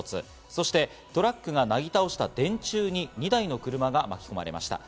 そして、トラックがなぎ倒した電柱に２台の車が巻き込まれました。